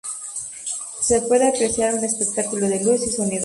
Se puede apreciar un espectáculo de luz y sonido.